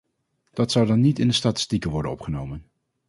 Dat zou dan niet in de statistieken worden opgenomen.